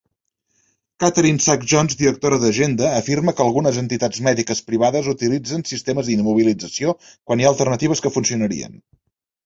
Katharine Sacks-Jones, directora d'Agenda, afirma que algunes entitats mèdiques privades utilitzen sistemes d'immobilització quan hi ha alternatives que funcionarien.